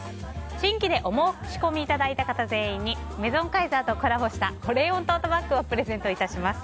新規でお申し込みいただいた方全員にメゾンカイザーとコラボした保冷温トートバッグをプレゼントいたします。